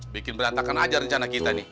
bikin berantakan aja rencana kita nih